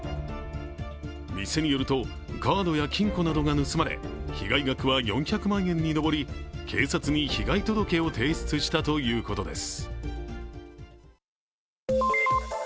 店によると、カードや金庫などが盗まれ、被害額は４００万円に上り警察に被害届を提出したということです。